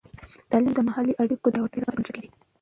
تعلیم د محلي اړیکو د پیاوړتیا لپاره بنسټ لري.